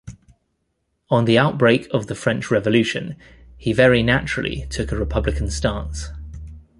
On the outbreak of the French Revolution he very naturally took a Republican stance.